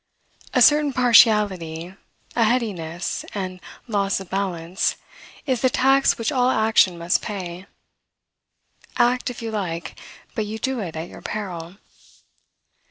A certain partiality, a headiness, and loss of balance, is the tax which all action must pay. Act, if you like, but you do it at your peril.